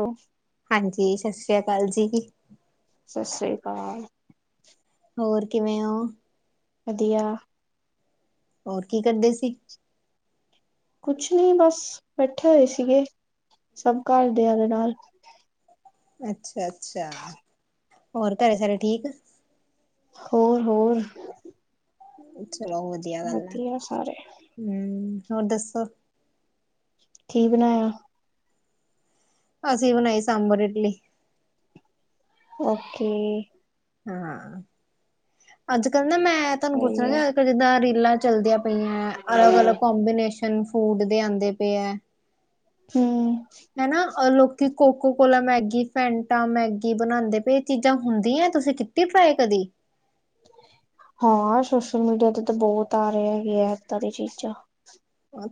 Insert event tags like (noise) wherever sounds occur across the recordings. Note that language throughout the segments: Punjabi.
ਓ ਹਾਂਜੀ ਸਸਰੀਆ ਅਕਾਲ ਜੀ। ਸਸਰੀ ਕਾਲ। ਹੋਰ ਕਿਵੇਂ ਓ। ਵਧੀਆ ਹੋਰ ਕੀ ਕਰਦੇ ਸੀ। ਕੁਛ ਨੀ ਬਸ ਬੈਠੇ ਹੋਏ ਸੀਗੇ ਸਭ ਘਰਦਿਆਂ ਦੇ ਨਾਲ ਅੱਛਾ-ਅੱਛਾ ਹੋਰ ਘਰੇ ਸਾਰੇ ਠੀਕ। ਹੋਰ-ਹੋਰ ਚਲੋ ਵਧੀਆ ਗੱਲ ਐ ਹੂੰ ਹੋਰ ਦੱਸੋ। ਕੀ ਬਣਾਇਆ। ਅਸੀਂ ਬਣਾਈ ਸਾਂਬਰ ਇਡਲੀ ਓਕੇ ਹਾਂ ਅੱਜ ਕੱਲ ਨਾ ਮੈਂ ਤੁਹਾਨੂੰ ਪੁੱਛਣਾ ਸਹੀ ਹੈ ਅੱਜ ਕੱਲ ਜਿੱਦਾਂ ਰੀਲਾਂ ਚੱਲਦੀਆਂ। ਪਈਆਂ ਐ ਅਲੱਗ-ਅਲੱਗ ਕਬੀਨੇਸ਼ਨ ਫੂਡ ਦੇ ਆਂਦੇ ਪਏ ਐ। ਹੂੰ ਹੈਨਾ ਲੋਕੀ Coca Cola Maggi Fanta Maggi ਬਣਾਂਦੇ ਪਏ ਚੀਜ਼ਾਂ ਹੁੰਦੀਆਂ ਤੁਸੀਂ ਕੀ ਪਏ ਕਦੀ। ਹਾਂ ਸੋਸ਼ਲ ਮੀਡੀਆ ਤੇ ਤਾਂ ਬੋਤ ਆ ਰਏ ਹੈਗੇ ਆ ਇੱਦਾਂ ਦੀਆਂ ਚੀਜ਼ਾਂ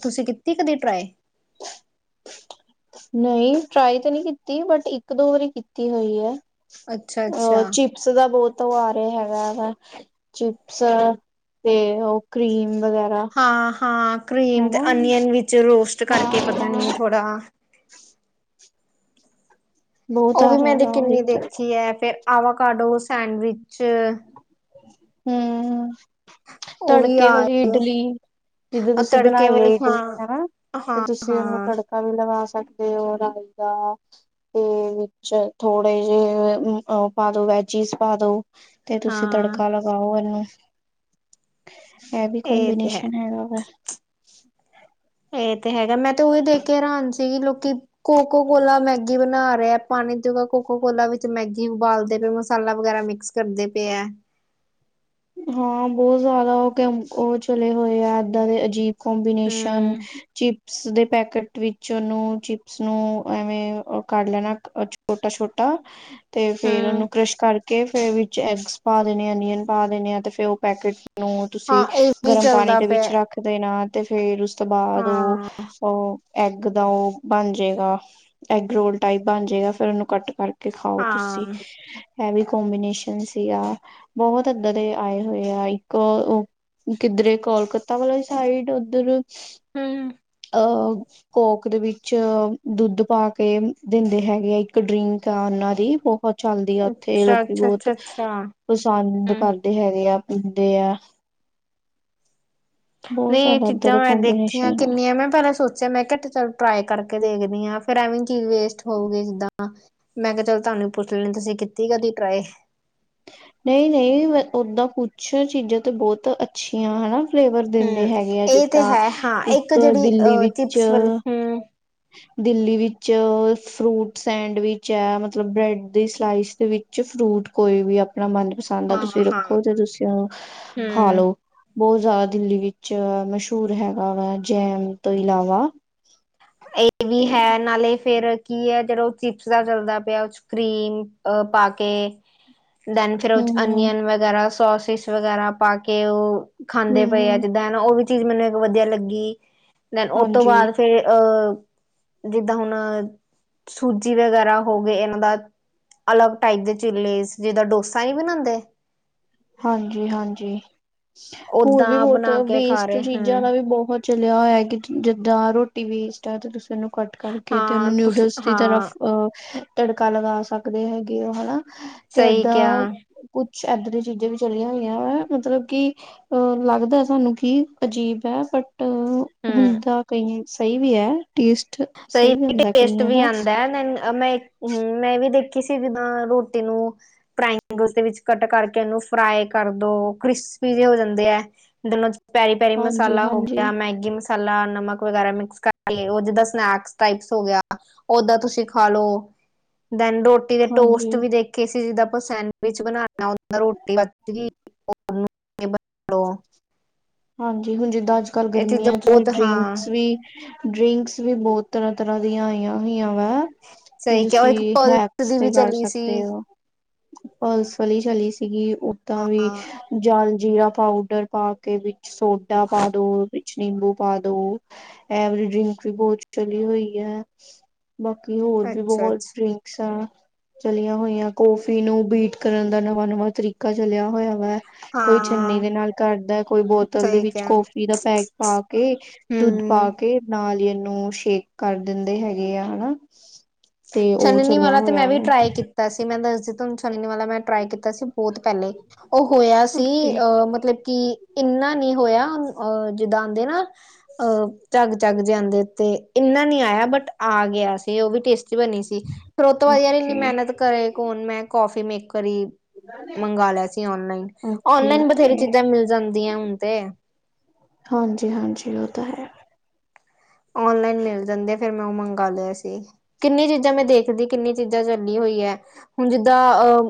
ਤੁਸੀਂ ਕੀਤੀ ਕਦੀ ਟਰਾਏ ਨਈ ਟਰਾਈ ਤੇ ਨਈ ਕੀਤੀ ਬਟ ਇੱਕ ਦੋ ਵਾਰੀ ਕੀਤੀ ਹੋਈ ਹੈ ਅ ਚਿ ਅੱਛਾ-ਅੱਛਾ, ਚਿਪਸ ਦਾ ਬੋਤ ਓ ਆ ਰਿਆ ਹੈਗਾ ਵਾ ਚਿਪਸ ਤੇ ਓ ਕਰੀਮ ਵਗੈਰਾ ਹਾਂ-ਹਾਂ ਕਰੀਮ ਤੇ ਹਨਾ ਅਨੀਅਨ ਵਿੱਚ ਰੋਸਟ ਕਰਕੇ ਪਤਾ ਨਈ ਹਾਂ ਥੋੜ੍ਹਾ ਬਹੁਤ ਓ ਆ ਵੀ ਮੈਂ ਰਿਹਾ ਵਾ ਉਹ ਵੀ ਕਿੰਨੀ ਦੇਖੀ ਹੈ ਫਿਰ ਆਵਾ ਕਡੋ ਸੈਂਡਵਿਚ ਹੂੰ ਉਹ ਵੀ ਤੜਕੇ ਆ ਵਾਲੀ ਇਡਲੀ ਜਿੱਦੋਂ ਤੁਸੀਂ ਤੜਕੇ ਬਣਾਈ ਏ ਵਾਲੇ ਹਾਂ ਇਡਲੀ ਹਨਾ ਤੇ ਤੁਸੀਂ ਹਾਂ-ਹਾਂ ਤੁਸੀਂ ਉਨੂੰ ਹਾਂ ਤੜਕਾ ਵੀ ਲਗਾ ਸਕਦੇ ਹੋ ਰਾਈ ਦਾ ਤੇ ਵਿੱਚ ਥੋੜੇ ਜਿਹੇ ਓ ਪਾ ਦੋ ਵੈਜਿਸ ਪਾ ਦੋ। ਤੇ ਤੁਸੀਂ ਹਾਂ ਤੜਕਾ ਲਗਾਓ ਐਨੂੰ ਐ ਵੀ ਕੋਮਬੀਨੇਸ਼ਨ ਹੈਗਾ ਵਾ। ਏ ਤੇ ਹੈਗਾ ਮੈਂ ਤੇ ਦੇਖ ਕੇ ਹੈਰਾਨ ਸੀਗੀ ਲੋਕੀ ਕੋਕੋ ਕੋਲਾ ਮੈਂ ਮੈਗੀ ਬਣਾ ਰਏ ਆ ਪਾਣੀ 'ਚ ਕੋਕੋ ਕੋਲਾ ਵਿੱਚ ਮੈਗੀ ਉਬਾਲਦੇ ਪਏ ਮਸਾਲਾ ਵਗੈਰਾ ਮਿਕਸ ਕਰਦੇ ਪਏ ਆ। ਹਾਂ ਬੋ ਜਾਦਾ ਓ ਤਾਂ ਓ ਚੱਲੇ ਹੋਏ ਆ ਇੱਦਾਂ ਦੇ ਅਜੀਬ ਕੋਮਬੀਨੇਸ਼ਨ ਹੂੰ-ਹੂੰ ਚੀਪ ਰਸ ਦੇ ਪੈਕੇਟ ਵਿੱਚ ਉਹਨੂੰ ਚਿਪਸ ਨੂੰ ਐਵੇਂ ਔਹ ਕਰ ਲੈਣਾ ਛੋਟਾ, ਛੋਟਾ ਤੇ ਫ਼ੇਰ ਉਹਨੂੰ ਕਰਸ਼ ਕਰਕੇ ਫੇਰ ਵਿੱਚ ਐਗਜ ਪਾ ਦੇਣੇ ਆ, ਅਨੀਅਨ ਪਾ ਦੇਣੇ ਆ ਤੇ ਫੇਰ ਉਹ ਪੈਕੇਟ ਏਨੂੰ ਹਾਂ ਤੁਸੀਂ ਇਹ ਵੀ ਗਰਮ ਪਾਣੀ ਚੱਲਦਾ ਦੇ ਪਿਆ ਵਿੱਚ ਰੱਖ ਦੇਣਾ ਤੇ ਫੇਰ ਉਸ ਤੋਂ ਬਾਅਦ ਔਹ, ਹਾਂ-ਹਾਂ ਔਹ ਐਗ ਦਾ ਉਹ ਬਣ ਜਾਏਗਾ, ਐਗ ਰੋਲ ਟਾਈਪ ਬਣ ਜਾਏਗਾ। ਫੇਰ ਉਹਨੂੰ ਕੱਟ ਕਰਕੇ ਰੋਟੀ ਖਾਓ ਤੁਸੀਂ ਇਹ ਵੀ ਕੋਂਬੀਨੇਸ਼ਨ ਸੀਗਾ, ਬਹੁਤ ਧੰਦੜੇ ਆਏ ਹੋਏ ਆ, ਇੱਕ ਉਹ ਕਿੱਧਰੇ ਕੋਲਕਾਤਾ ਵਾਲੀ ਸਾਈਡ ਔਦਰ ਹਮ। (unintelligible) ਕੋਕ ਦੇ ਵਿੱਚ ਦੁੱਧ ਪਾ ਕੇ ਦਿੰਦੇ ਹੈਗੇ ਆ, ਇੱਕ ਡਰਿੰਕ ਆ ਉਹਨਾਂ ਦੀ ਬਹੁਤ ਚੱਲਦੀ ਆ ਉੱਥੇ ਅੱਛਾ ਲੋਕੀ ਅੱਛਾ ਬਹੁਤ ਅੱਛਾ ਅੱਛਾ ਪਸੰਦ ਹਮ ਕਰਦੇ ਹੈਗੇ ਆ, ਪੀਂਦੇ ਆ। ਬਹੁਤ ਨਹੀਂ ਇਹ ਜ਼ਿਆਦਾ ਏਦਾਂ ਚੀਜ਼ਾਂ ਦਾ ਮੈਂ ਦੇਖੀਆਂ ਕੋਂਬੀਨੇਸ਼ਨ ਆ ਕਿੰਨੀਆਂ ਮੈਂ ਪਹਿਲਾਂ ਸੋਚਿਆ ਮੈਂ ਕਿਹਾ ਚੱਲ ਟਰਾਈ ਕਰਕੇ ਦੇਖਦੀ ਆ, ਫੇਰ ਐਵੇਂ ਚੀਜ਼ ਵੇਸਟ ਹੋਊਗੀ ਜਿੱਦਾਂ ਮੈਂ ਕਿਹਾ ਚੱਲ ਤੁਹਾਨੂੰ ਪੁੱਛ ਲੈਣੀ ਤੁਸੀਂ ਕੀਤੀ ਆ ਕਦੇ ਟਰਾਏ? ਨਹੀਂ, ਨਹੀਂ ਮੈਂ ਓਦਾਂ ਕੁਛ ਚੀਜ਼ਾਂ ਤੇ ਬਹੁਤ ਅੱਛੀਆਂ ਹਨਾ ਫਲੇਵਰ ਦਿੰਦੇ ਹਮ ਹੈਗੇ ਆ, ਇਹ ਤੇ ਜਿੱਦਾਂ ਹੈ ਹਾਂ ਇੱਕ ਜਿਹੜੀ ਦਿੱਲੀ ਅ ਵਿੱਚ ਚਿਪਸ ਵਾਲੀ ਅ ਹਮ ਦਿੱਲੀ ਵਿੱਚ ਫਰੂਟ ਸੈਂਡਵਿਚ ਆ, ਮਤਲਬ ਬ੍ਰੈਡ ਦੀ ਸਲਾਈਸ ਦੇ ਵਿੱਚ 'ਚ ਫਰੂਟ ਕੋਈ ਵੀ ਆਪਣਾ ਮਨਪਸੰਦ ਦਾ ਹਾਂ ਤੁਸੀਂ ਹਾਂ ਰੱਖੋ ਤੇ ਤੁਸੀਂ ਉਹਨੂੰ ਖਾ ਹਮ ਲੋ। ਬਹੁਤ ਜ਼ਿਆਦਾ ਦਿੱਲੀ ਵਿੱਚ ਮਸ਼ਹੂਰ ਹੈਗਾ ਵਾ, ਜੈਮ ਤੋਂ ਇਲਾਵਾ ਇਹ ਵੀ ਤੇ ਹੈ ਨਾਲੇ ਫੇਰ ਕੀ ਐ ਜਦੋਂ ਚਿਪਸ ਦਾ ਚੱਲਦਾ ਪਿਆ, ਉਹ 'ਚ ਕਰੀਮ ਅ ਪਾ ਕੇ ਰੇਚ, ਹੂੰ ਰੋਜ ਅਨੀਅਨ ਵਗੈਰਾ, ਸੋਸਿਸ ਵਗੈਰਾ ਪਾ ਕੇ ਉਹ ਖਾਂਦੇ ਪਏ ਆ ਹੂੰ ਜਿੱਦਾਂ ਉਹ ਵੀ ਚੀਜ਼ ਮੈਨੂੰ ਇੱਕ ਵਧੀਆ ਲੱਗੀ, ਦੈਨ ਉਹ ਤੋਂ ਹਾਂਜੀ ਬਾਅਦ ਫੇਰ ਅਹ ਜਿੱਦਾਂ ਹੁਣ ਸੂਜੀ ਵਗੈਰਾ ਹੋ ਗਏ ਇਹਨਾਂ ਦਾ ਅਲੱਗ ਟਾਈਪ ਦੇ ਚਿੱਲੇਜ਼, ਜਿੱਦਾਂ ਡੋਸਾ ਨੀ ਬਣਾਂਦੇ। ਹਾਂਜੀ, ਹਾਂਜੀ ਹੋਰ ਵੀ ਓਦਾਂ ਬਹੁਤ ਬਣਾ ਕੇ ਖਾ ਵੇਸਟ ਰਹੇ ਚੀਜ਼ਾਂ ਹਮ ਦਾ ਵੀ ਬਹੁਤ ਚੱਲਿਆ ਹੋਇਆ ਕਿ ਜਿੱਦਾਂ ਰੋਟੀ ਵੇਸਟ ਐ ਤਾਂ ਤੁਸੀਂ ਇਹਨੂੰ ਕੱਟ ਕਰਕੇ, ਤੇ ਹਾਂ ਉਹਨੂੰ ਤੁਸੀਂ ਨਿਊਡਲਸ ਦੀ ਤਰ੍ਹਾਂ ਹਾਂ ਅਹ ਤੜਕਾ ਲਗਾ ਸਕਦੇ ਹੈਗੇ ਔ ਹਨਾ। ਤੇ ਸਹੀ ਏਦਾਂ ਕਿਹਾ ਕੁੱਛ ਏਦਾਂ ਦੀਆਂ ਚੀਜ਼ਾਂ ਵੀ ਚੱਲੀਆਂ ਹੋਈਆਂ, ਮਤਲਬ ਕੀ ਅਹ ਲੱਗਦਾ ਸਾਨੂੰ ਕੀ ਅਜੀਬ ਐ, ਬਟ ਹਮ ਹੁੰਦਾ ਕਈ ਸਹੀ ਵੀ ਐ ਟੇਸਟ ਸਹੀ ਵੀ (unintelligible) ਹੁੰਦਾ ਟੇਸਟ ਕਈਆਂ ਵੀ ਦਾ ਆਂਦਾ ਮੈਂ ਹਮ ਮੈਂ (unintelligible) ਵੀ ਦੇਖੀ ਸੀ, ਜਿੱਦਾਂ ਰੋਟੀ ਨੂੰ ਟ੍ਰਾਈਐਗਲਸ ਦੇ ਵਿੱਚ ਕੱਟ ਕਰਕੇ ਇਹਨੂੰ ਫਰਾਈ ਕਰਦੋ, ਕ੍ਰਿਸਪੀ ਜੇ ਹੋ ਜਾਂਦੇ ਐ। ਦੈਨ ਉਹ 'ਚ ਪੈਰੀ ਪੈਰੀ ਹਾਂਜੀ ਮਸਾਲਾ ਹੋ ਹਾਂਜੀ ਗਿਆ, ਮੈਗੀ ਮਸਾਲਾ ਨਮਕ ਵਗੈਰਾ ਮਿਕਸ ਕਰਕੇ ਉਹ ਜਿੱਦਾਂ ਸਨੈਕਸ ਟਾਈਪਸ ਹੋ ਗਿਆ, ਓਦਾਂ ਤੁਸੀਂ ਖਾਲੋ, ਦੈਨ ਰੋਟੀ ਦੇ ਹਾਂਜੀ ਟੋਸਟ ਵੀ ਦੇਖ ਖੇ ਸੀ ਜਿੱਦਾਂ ਆਪਾਂ ਸੈਂਡਵਿਚ ਬਣਾਣਾ ਓਦਾ ਰੋਟੀ ਬਚ ਗੀ। ਹਾਂਜੀ, ਹੁਣ ਜਿੱਦਾਂ ਅੱਜ ਕੱਲ ਇਹ ਚੀਜ਼ਾਂ ਗਰਮੀਆਂ 'ਚ ਬਹੁਤ ਹਾਂ ਡਰਿੰਕਸ ਵੀ ਡਰਿੰਕਸ ਵੀ ਬਹੁਤ ਤਰ੍ਹਾਂ, ਤਰ੍ਹਾਂ ਦੀਆਂ ਆਈਆਂ ਹੋਈਆਂ ਵਾ। ਕਿ ਸਹੀ ਕਿਹਾ ਉਹ ਤੁਸੀਂ ਇੱਕ ਪਲਸ ਹੈਕਸ ਦੀ ਤੇ ਵੀ ਕਰ ਚਲੀ ਸੀ। ਸਕਦੇ ਓ। ਪਲਸ ਵਾਲੀ ਚੱਲੀ ਸੀਗੀ, ਓਦਾਂ ਵੀ ਹਾਂ ਜਲਜੀਰਾ ਪਾਊਡਰ ਪਾ ਕੇ, ਵਿੱਚ ਸੋਡਾ ਪਾ ਦੋ ਕੁਝ ਨਿੰਬੂ ਪਾ ਦੋ, ਐਵਰੀ ਡਰਿੰਕ ਵੀ ਬਹੁਤ ਚਲੀ ਹੋਈ ਹੈ। ਬਾਕੀ ਹੋਰ ਤੇ ਅੱਛਾ ਬੋਹਤ ਅੱਛਾ ਡਰਿੰਕ ਸਾਂ ਚਲੀਆਂ ਹੋਈਆਂ ਕੌਫੀ ਨੂੰ ਬੀਟ ਕਰਨ ਦਾ ਨਵਾਂ-ਨਵਾਂ ਤਰੀਕਾ ਚਲਿਆ ਹੋਯਾ ਵੈ। ਕੋਈ ਚੁੰਨੀ ਹਾਂ ਦੇ ਨਾਲ ਕਾਰਦਾ ਕੋਈ ਬੋਤ ਬੋਤਲ ਦੇ ਸਹੀ ਵਿੱਚ ਕਿਹਾ ਕੌਫੀ ਦਾ ਪੈਕ ਪਾ ਕੇ, ਦੁੱਧ ਪਾ ਹਮ ਕੇ ਤੇ ਨਾਲੀ ਈ ਏਨੂੰ ਸ਼ੇਕ ਕਰ ਦਿੰਦੇ ਹੈਗੇ ਆ ਹੈਨਾ ਤੇ ਓ ਚਲਿਆ ਹੋਇਆ ਵਾ ਤਾਂ ਸੀ ਮੈਂ ਦੱਸਦੀ ਤਾਨੂੰ ਛਨਣੀ ਵਾਲਾ ਮੈਂ ਟਰਾਈ ਕੀਤਾ ਸੀ। ਬੋਤ ਪੈਲੇ ਹੋਰ ਹੋਯਾ ਸੀ ਓਕੇ ਅਹ ਮਤਲਬ ਕਿ ਇੰਨਾ ਨੀ ਹੋਯਾ ਅਹ ਜਿੱਦਾਂ ਆਂਦੇ ਨਾ ਅ ਝੱਗ-ਝੱਗ ਜੇ ਜਾਂਦੇ ਤੇ ਇੰਨਾ ਨੀ ਆਇਆ ਬਟ ਆ ਗਯਾ ਸੀ ਓ ਵੀ ਟੇਸਟ ਕੀ ਬਨੀ ਸੀ ਫਿਰ ਓ ਤੋਂ ਬਾਦ ਯਾਰ ਏਨੀ ਓਕੇ ਮੇਨਤ ਕਰੇ ਕੌਣ ਮੈਂ ਕੌਫੀ ਮੇਕਰ ਈ ਮੰਗਾ ਲਯਾ ਸੀ ਔਨਲਾਈਨ ਓਕੇ ਔਨਲਾਈਨ ਬਥੇਰੀ ਓਕੇ ਚੀਜ਼ਾਂ ਮਿਲ ਜਾਂਦੀਆਂ ਹੁਣ ਤੇ ਹਾਂਜੀ-ਹਾਂਜੀ ਓ ਤਾਂ ਹੈ। ਔਨਲਾਈਨ ਮਿਲ ਜਾਂਦੇ ਫੇਰ ਮੈਂ ਓ ਮੰਗਾ ਲਯਾ ਸੀ ਕਿੰਨੀ ਚੀਜ਼ਾਂ ਮੈਂ ਦੇਖਦੀ ਕਿੰਨੀ ਚੀਜ਼ਾਂ ਚੱਲੀ ਹੋਈ ਐ ਹੁਣ ਜਿੱਦਾਂ ਅ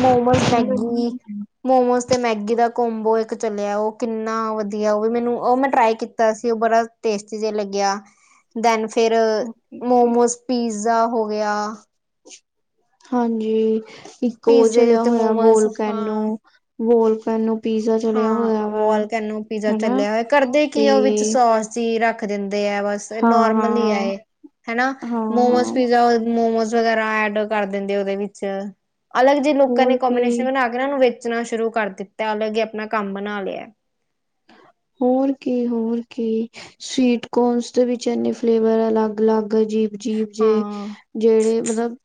ਮੋਮੋਸ, ਮੈਗੀ ਮੋਮੋਸ ਤੇ ਮੈਗੀ ਦਾ ਕੋਮਬੋ ਇੱਕ ਚੱਲਿਆ ਓ ਕਿੰਨਾ ਵਧੀਆ ਓ ਵੀ ਮੈਨੂੰ ਓ ਮੈਂ ਟਰਾਈ ਕੀਤਾ ਸੀ ਓ ਬੜਾ ਟੇਸਟੀ ਜੇਆ ਲੱਗਿਆ ਦੈਨ ਫਿਰ ਓਕੇ-ਓਕੇ। ਮੋਮੋਸ, ਪੀਜ਼ਾ ਹੋ ਗਯਾ ਹਾਂਜੀ। ਇੱਕ ਓ ਪੀਜ਼ੇ ਦੇ ਚਲਿਆ ਉੱਤੇ ਹੋਯਾ ਮੋਮੋਸ ਵੋਲਕੈਨੋ, ਹਾਂ ਵੋਲਕੈਨੋ ਪੀਜ਼ਾ ਚਲਿਆ ਹਾਂ ਹੋਯਾ ਵਾ ਵੋਲਕੈਨੋ ਪੀਜ਼ਾ ਹਨਾ ਚੱਲਿਆ ਹੋਯ ਕਰਦੇ ਤੇ ਕੀ ਆ ਓ ਵਿੱਚ ਸੋਸ ਈ ਰੱਖ ਦਿੰਦੇ ਆ ਬਸ ਤੇ ਨੋਰਮਲ ਈ ਐ ਹਾਂ-ਹਾਂ, ਏ ਹੈਨਾ ਮੋਮੋਸ ਹਾਂ-ਹਾਂ ਪੀਜ਼ਾ ਮੋਮੋਸ ਵਗੈਰਾ ਐਡ ਕਰ ਦਿੰਦੇ ਓਦੇ ਵਿੱਚ ਅਲੱਗ ਜੀ ਲੁਕ ਐਂਡ ਹੋਰ ਕੀ ਕੋਬੀਨੇਸ਼ਨ ਬਣਾ ਫ਼ੇਰ ਏਨਾਂ ਨੂੰ ਵੇਚਣਾ ਸ਼ੁਰੂ ਕਰ ਦਿੱਤਾ ਅਲੱਗ ਈ ਆਪਣਾ ਕੰਮ ਬਨਾ ਲਯਾ। ਹੋਰ ਕੀ ਹੋਰ ਕੀ ਸਵੀਟਕੋਨਸ ਦੇ ਵਿੱਚ ਏਨੇ ਫਲੇਵਰ ਅਲੱਗ ਅਲੱਗ ਅਜੀਬ-ਅਜੀਬ ਜੇ ਹਾਂ ਜੇੜੇ ਮਤਲਬ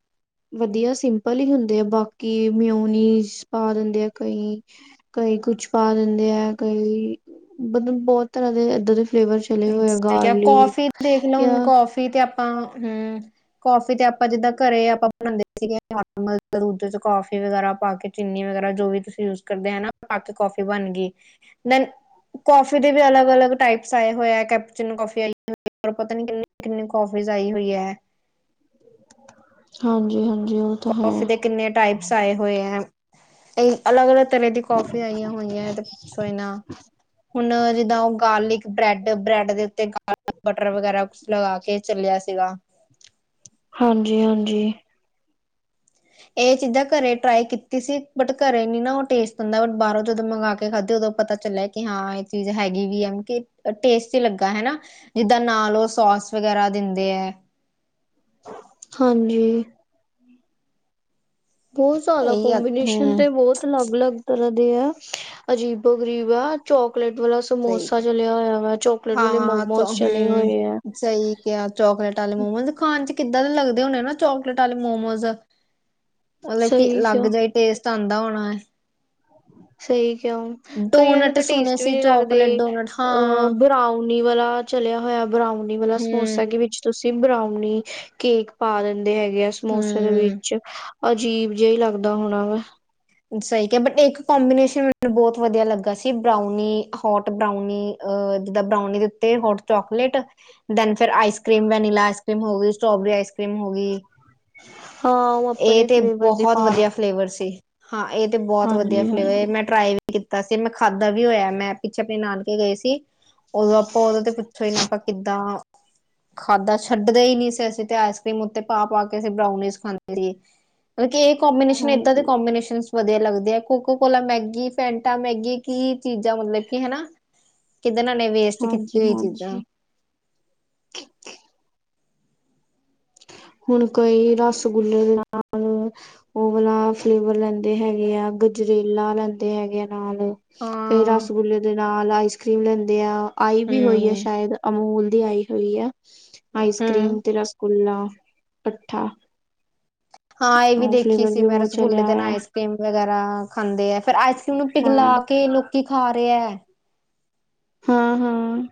ਵਧੀਆ ਸਿੰਪਲ ਈ ਹੁੰਦੇ ਆ ਬਾਕੀ ਮਿਉਨੀਸ ਪਾ ਦਿੰਦੇ ਆ ਕਈ ਕਈ ਕੁਛ ਪਾ ਦਿੰਦੇ ਐ ਕਈ ਮਤਲਬ ਬੋਤ ਤਰ੍ਹਾਂ ਦੇ ਏਦਾਂ ਦੇ ਫਲੇਵਰ ਚ ਸਟ ਬਦਲ ਗਯਾ ਕੌਫੀ ਦੇਖ ਲੋ ਹੁਣ ਜਾਂ ਕੌਫੀ ਤੇ ਆਪਾਂ ਹੂੰ ਕੌਫੀ ਤੇ ਆਪਾਂ ਜਿੱਦਾਂ ਘਰੇ ਆਪਾਂ ਬਣਾਦੇ ਸੀਗੇ ਨੋਰਮਲ ਦੁੱਧ ਚ ਕੌਫੀ ਵਗੈਰਾ ਪਾ ਕੇ ਚੀਨੀ ਵਗੇਰਾ ਜੋ ਵੀ ਤੁਸੀਂ ਯੂਜ ਕਰਦੇ ਆ ਨਾ ਪਾ ਕੇ ਕੌਫੀ ਬਣਗੀ ਦੈਨ ਕੌਫੀ ਦੇ ਵੀ ਅਲੱਗ-ਅਲੱਗ ਟਾਈਪਸ ਆਏ ਹੋਯਾ ਕੈਪਚਰਿੰਗ ਕੌਫੀ ਆਈ ਹੋਰ ਪਤਾ ਨੀ ਕਿੰਨੀ-ਕਿੰਨੀ ਕੌਫੀਜ਼ ਆਈ ਹੋਈ ਐ। ਹਾਂਜੀ-ਹਾਂਜੀ ਹਾਂ। ਕੌਫੀ ਦੇ ਕਿੰਨੇ ਟਾਈਪਸ ਆਏ ਹੋਏ ਐ। ਏਈ ਅਲੱਗ-ਅਲੱਗ ਤਰ੍ਹਾਂ ਦੀ ਕੌਫੀ ਆਈਆਂ ਹੋਈਆਂ ਏ ਤੇ ਪੁੱਛੋ ਈ ਨਾ ਹੁਣ ਜਿੱਦਾਂ ਓ ਗਾਰਲਿਕ ਬ੍ਰੈਡ ਬ੍ਰੈਡ ਦੇ ਉੱਤੇ ਗਾ ਬਟਰ ਵਗੈਰਾ ਕੁਛ ਲਗਾ ਕੇ ਚੱਲਿਆ ਸੀਗਾ ਹਾਂਜੀ-ਹਾਂਜੀ‌। ਏ ਚੀਜ਼ਾਂ ਕਰੇ ਟਰਾਈ ਕੀਤੀ ਸੀ ਬਟ ਕਰੇ ਨੀ ਨਾ ਓ ਟੇਸਟ ਹੁੰਦਾ ਬਟ ਬਾਹਰੋਂ ਜਦੋਂ ਮੰਗਵਾ ਕੇ ਖਾਧੇ ਓਦੋਂ ਪਤਾ ਚੱਲਿਆ ਕਿ ਹਾਂ ਏ ਚੀਜ਼ ਹੈਗੀ ਵੀ ਐ ਹੁਣ ਕੀ ਟੇਸਟੀ ਲੱਗਾ ਹੈਨਾ ਜਿਦਾਂ ਨਾਲ ਓ ਸੋਸ ਵਗੈਰਾ ਦਿੰਦੇ ਐ। ਹਾਂਜੀ। ਬੋਹਤ ਜਾਦਾ ਇਹੀ ਕੋਮਬੀਨੇਸ਼ਨ ਹੂੰ ਤੇ ਬੋਤ ਅਲੱਗ-ਅਲੱਗ ਤਰ੍ਹਾਂ ਦੇ ਐ ਅਜੀਬੋ-ਗਰੀਬ ਐ ਚੋਕਲੇਟ ਵਾਲਾ- ਸਹੀ ਸਮੋਸਾ ਕਿਹਾ ਚਲਿਆ ਹੋਯਾ ਵੈ ਚੋਕਲੇਟ ਵਾਲੇ ਹਾਂ ਮੋਮੋਸ ਚਲੇ ਹੋਏ ਐ। ਹੂੰ ਸਹੀ ਕਿਹਾ ਆ ਚੋਕਲੇਟ ਵਾਲੇ ਮੋਮੋਜ਼ ਖਾਣ ਚ ਕਿੱਦਾਂ ਦੇ ਲੱਗਦੇ ਹੋਣੇ ਨਾ ਚੋਕਲੇਟ ਵਾਲੇ ਮੋਮੋਜ਼। ਮਤਲਬ ਕੀ ਸਹੀ ਕਿਹਾ ਅਲੱਗ ਜਿਹਾ ਹੀ ਟੇਸਟ ਆਦਾ ਹੋਣਾ ਐ। ਸਹੀ ਕਹਿ ੳ ਕਈਆਂ ਨੂੰ ਡੋਨਟ ਤਾਂ ਸੁਣੇ ਟੇਸਟ ਵੀ ਸੀ ਨਹੀਂ ਚੋਕਲੇਟ ਲੱਗਦੇ। ਡੋਨਟ ਅ ਹਾਂ ਬਰਾਉਨੀ ਵਾਲਾ ਚਲਿਆ ਹੋਇਆ ਬਰਾਉਨੀ ਵਾਲਾ ਹੂੰ ਸਮੋਸਾ ਕਿ ਵਿੱਚ ਤੁਸੀਂ ਬਰਾਉਨੀ ਕੇਕ ਪਾ ਦਿੰਦੇ ਹੈਗੇ ਆ ਸਮੋਸੇ ਦੇ ਹੂੰ ਵਿੱਚ। ਅਜੀਬ ਜਿਹਾ ਲੱਗਦਾ ਹੋਣਾ ਵਾ। ਸਹੀ ਕਿਹਾ ਬਟ ਇੱਕ ਕੋਂਬੀਨੇਸ਼ਨ ਮੈਨੂੰ ਬਹੁਤ ਵਧੀਆ ਲੱਗਾ ਸੀ ਬਰਾਉਨੀ ਹੋਟ ਬਰਾਉਨੀ। ਅ ਜਿੱਦਾਂ ਬਰਾਉਨੀ ਦੇ ਉੱਤੇ ਹੋਟ ਚੋਕਲੇਟ। ਦੈਨ ਫਿਰ ice cream, vanilla ice cream ਹੋਗੀ, ਸਟ੍ਰੋਬੇਰੀ ਆਈਸ ਕਰ੍ਰੀਮ ਹੋ ਗਈ। ਹਾਂ ਉਹ ਏ ਆਪਣੇ ਤੇ ਫਲੇਵਰ ਦੀ ਬਹੁਤ ਪਾ ਵਧੀਆ ਲੈਂਦੇ। ਫਲੇਵਰ ਸੀ, ਹਾਂ ਏ ਤੇ ਬਹੁਤ ਵਧੀਆ ਹਾਂਜੀ ਫਲੇਵਰ ਹਾਂਜੀ ਏ ਮੈਂ ਟਰਾਈ ਵੀ ਕੀਤਾ ਸੀ ਮੈਂ ਖਾਧਾ ਵੀ ਹੋਇਆ, ਮੈਂ ਪਿੱਛੇ ਆਪਣੇ ਨਾਨਕੇ ਗਏ ਸੀ। ਉਦੋਂ ਆਪਾਂ ਉਦੇ ਤੇ ਪੁੱਛੋ ਹੀ ਨਾ ਆਪਾਂ ਕਿੱਦਾਂ ਖਾਦਾ ਛੱਡਦੇ ਹੀ ਨੀ ਸੀ, ਅਸੀਂ ਤੇ ਆਈਸ ਕਰ੍ਰੀਮ ਉੱਤੇ ਪਾ ਕੇ ਅਸੀਂ ਬਰਾਉਨੀਜ ਖਾਂਦੇ। (unintelligible) ਕਿਉਂਕਿ ਇਹ ਕੋਂਬੀਨੇਸ਼ਨ ਏਦਾਂ ਦੇ ਹਾਂਜੀ ਕੋਂਬੀਨੇਸ਼ਨ। ਵਧੀਆ ਲੱਗਦੇ ਆ ਕੋਕ ਕੋਲਾ ਮੈਗੀ, ਫੈਟਾ ਮੈਗੀ ਕੀ ਚੀਜ਼ਾਂ ਮਤਲਬ ਕੀ ਹਨਾ। ਕਿੱਧਾ ਏ ਨੇ ਵੇਸਟ ਕੀਤੀ ਹਾਂਜੀ ਹੋਈ ਹਾਂਜੀ ਚੀਜ਼ਾਂ। ਹੁਣ ਕੋਈ ਰਸਗੁੱਲੇ ਦੇ ਨਾਲ ਓ ਵਲਾ ਫਲੇਵਰ ਲੈਂਦੇ ਹੈਗੇ ਆ ਗਜਰੇਲਾ ਲੈਂਦੇ ਹੈਗੇ ਆ। ਨਾਲ ਕਈ ਹਾਂ ਰਸਗੁੱਲੇ ਦੇ ਨਾਲ ਆਈਸ ਕਰ੍ਰੀਮ ਲੈਂਦੇ ਆ ਆਈ ਵੀ ਹੋਈ ਐ ਹੂੰ ਸ਼ਾਇਦ। ਅਮੂਲ ਦੀ ਆਈ ਹੋਈ ਆ ਆਈਸ ਕਰ੍ਰੀਮ ਹੂੰ ਤੇ ਰਸਗੁਲਾ ਕੱਠਾ। ਹਾਂ, ਇਹ ਵੀ ਦੇਖੀ ਸੀ ਵੀ ਮੈਂ ਬਹੁਤ ਰਸਗੁੱਲਲੇ ਚਲਿਆ ਦੇ ਨਾਲ ਹੋਇਆ ਆਈਸ ਕਰੀਮ ਵਗੈਰਾ ਖਾਂਦੇ ਐ, ਫਿਰ ਆਈਸ ਕ੍ਰੀਮ ਨੂੰ ਹਾਂ ਪਿਘਲਾ ਕੇ ਲੋਕੀ ਖਾ ਰਹੇ ਐ। ਹਾਂ-ਹਾਂ।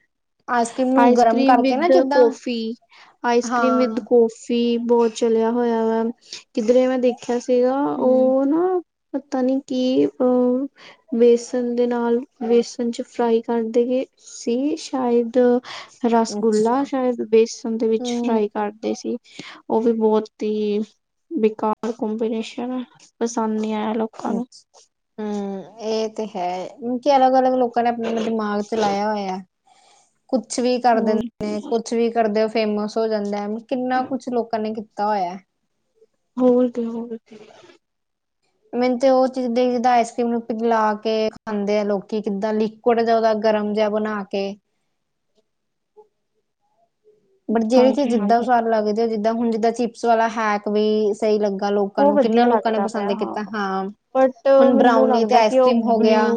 ਕ੍ਰੀਮ ਨੂੰ ਆਈਸ ਗਰਮ ਕਰ੍ਰੀਮ ਕਰਕੇ ਨਾ ਵਿਦ ਜਿੱਦਾਂ ਕੋਫੀ, ਆਈਸ ਕੀਮ ਹਾਂ ਵਿਦ ਕੋਫ ਵੀ ਬਹੁਤ ਚਲਿਆ ਹੋਇਆ ਵਾ ਕਿੱਧਰੇ ਮੈਂ ਦੇਖਿਆ ਸੀਗਾ ਹੂੰ ਉ ਨਾ ਪਤਾ ਨੀ ਕਿ ਉ ਬੇਸਣ ਦੇ ਨਾਲ ਬੇਸਣ ਚ ਫਰਾਈ ਕਰਦੇ ਗੇ ਸੀ ਸ਼ਾਇਦ ਰਸਗੁੱਲਾ ਅੱਛਾ ਸ਼ਾਇਦ ਬੇਸਨ ਦੇ ਵਿੱਚ ਹੂੰ ਫਰਾਈ ਕਰਦੇ ਸੀ। ਉ ਵੀ ਬਹੁਤ ਹੀ ਬੇਕਾਰ ਕੋਬੀਨੇਸ਼ਨ ਏ ਪਸੰਦ ਨੀ ਆਇਆ ਲੋਕ ਅੱਛਾ, ਹੂੰ, ਇਹ ਤੇ ਹੈ। ਕਿ ਅਲੱਗ-ਅਲੱਗ ਲੋਕਾਂ ਨੇ ਆਪਣਾ-ਆਪਣਾ ਦਿਮਾਗ ਚਲਾਇਆ ਹੋਇਆ ਐ। ਕੁਛ ਵੀ ਕਰ ਹੋਰ ਦਿੰਦੇ ਕੀ, ਨੇ ਕੁਛ ਵੀ ਕਰਦੇ ਹੋ ਫੇਮਸ ਹੋ ਜਾਂਦਾ ਹੈ, ਕਿੰਨਾ ਕੁਛ ਲੋਕਾਂ ਨੇ ਕੀਤਾ ਹੋਇਆ ਐ। ਹੋਰਕੇ-ਹੋਰਕੇ। ਮੈਨੂੰ ਤੇ ਉਹ ਚੀਜ਼ਾਂ ਜਿੱਦਾਂ ਆਈਸਕ੍ਰੀਮ ਨੂੰ ਪਿਘਲਾ ਕੇ ਖਾਂਦੇ ਆ ਲੋਕੀ ਕਿੱਦਾਂ ਲਿ ਥੋੜ੍ਹਾ ਜਾ ਉਹਦਾ ਗਰਮ ਜਿਹਾ ਬਣਾ ਕੇ। ਬਟ ਜਿਹੜੀ ਹਾਂਜੀ ਜਿਦਾਂ ਹਾਂਜੀ ਸਵਾਦ ਲੱਗਦੇ ਹੋ ਜਿੱਦਾਂ ਹੁਣ ਜਿੱਦਾਂ ਚਿਪਸ ਵਾਲਾ ਹੈਕ। ਉਵੀ ਸਹੀ ਲੱਗਾ ਲੋਕਾਂ ਉਹ ਨੂੰ ਕਿੰਨਾ ਵਧੀਆ ਲੋਕਾਂ ਨੇ ਲੱਗਦਾ ਪਿਆ ਪਸੰਦ ਕੀਤਾ ਹਾਂ। ਬਟ ਹੁਣ ਮੈਨੂੰ ਬਰਾਊਨੀ ਤੇ ਲੱਗਦਾ ਕਿ ਉਹ ਆਈਸਕ੍ਰੀਮ ਹੋ ਗਿਆ ਬਲਿਊ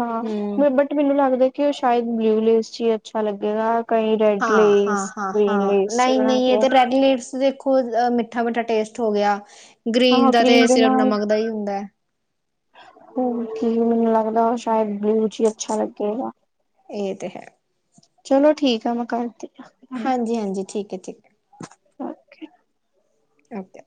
ਹਾਂ ਹਮ ਮੈਬਟ ਬਟ ਮੈਨੂੰ ਲੱਗਦਾ ਕਿ ਉਹ ਸ਼ਾਇਦ ਬਲਿਊ ਲੇਸ ਚ ਹੀ ਅੱਛਾ ਲੱਗੇਗਾ। ਕਈ ਰੈਡ ਲੇਸ ਗ੍ਰੀਨ ਹਾਂ-ਹਾਂ-ਹਾਂ-ਹਾਂ, ਲੇਸ ਚ ਨਹੀਂ-ਨਹੀਂ, ਬਣਾਦੇ ਏ ਆ ਤਾਂ ਰੈਡ ਲੈਸ ਦੇਖੋ। ਉ ਮਿੱਠਾ-ਮਿੱਠਾ ਟੇਸਟ ਹੋ ਗਿਆ ਗ੍ਰੀਨ ਹਾਂ ਦਾ ਤੇ ਕਰੀਮ ਦੇ ਸਿਰਫ ਨਾਲ ਨਮਕ ਦਾ ਹੀ ਹੁੰਦਾ ਐ। ਹੁਣ ਕੀ ਮੈਨੂੰ ਲੱਗਦਾ ਸ਼ਾਇਦ ਬਲਿਊ ਹੀ ਚ ਅੱਛਾ ਲੱਗੇਗਾ। ਏ ਤੇ ਹੈ। ਚਲੋ ਠੀਕ ਆ, ਮੈਂ ਕਰਦੀ ਹਾਂ। ਹਾਂਜੀ-ਹਾਂਜੀ, ਠੀਕ ਐ ਠੀਕ ਓਕੇ। ਓਕੇ।